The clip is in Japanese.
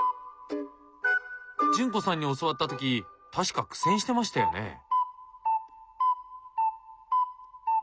潤子さんに教わった時確か苦戦してましたよね？